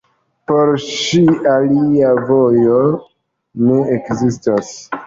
Por ŝi alia vojo ne ekzistas.